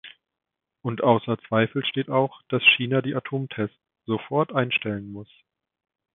Und außer Zweifel steht auch, dass China die Atomtests sofort einstellen muss.